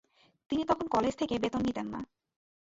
তিনি তখন কলেজ থেকে বেতন নিতেন না।